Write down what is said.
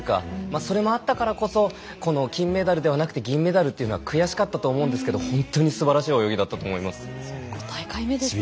それもあったからこそこの金メダルではなく銀メダルというのは悔しかったと思うんですがほんとにすばらしい泳ぎだったと思います。